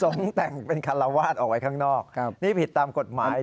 แต่งเป็นคาราวาสเอาไว้ข้างนอกนี่ผิดตามกฎหมาย